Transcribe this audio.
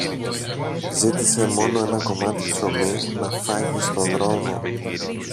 Ζήτησε μόνο ένα κομμάτι ψωμί να φάγει στο δρόμο